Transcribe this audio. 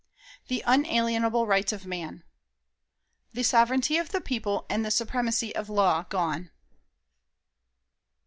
The Unalienable Rights of Man. The Sovereignty of the People and the Supremacy of Law gone.